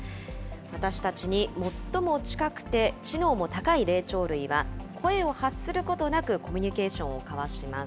私たちに最も近くて、知能も高い霊長類は、声を発することなくコミュニケーションを交わします。